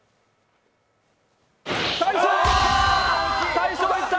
大将いった。